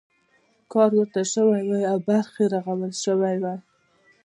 کار ورته شوی وای او برخې رغول شوي وای.